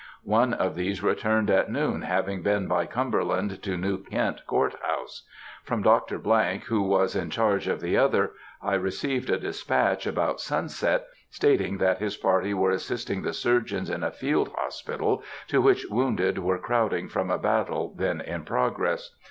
One of these returned at noon, having been by Cumberland to New Kent Court House. From Dr. ——, who was in charge of the other, I received a despatch about sunset, stating that his party were assisting the surgeons in a field hospital, to which wounded were crowding from a battle then in progress.